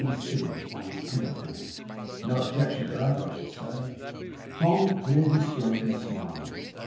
P. C. on his pinafores no objection to that, I should say?' Tom cleared his throat, and smiled.